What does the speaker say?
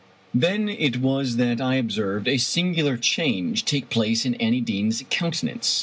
Then it was that I observed a singular change take place in Annie Deane's countenance.